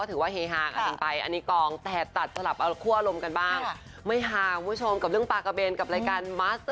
แต่ว่าหลายคนก็ติดตามกันอยู่เหมือนกัน